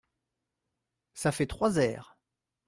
Ça fait trois airs.